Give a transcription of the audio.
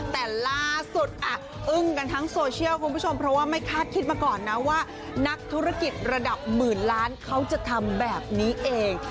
แต่ล่าสุดอึ้งกันทั้งโซเชียลคุณผู้ชมเพราะว่าไม่คาดคิดมาก่อนนะว่านักธุรกิจระดับหมื่นล้านเขาจะทำแบบนี้เอง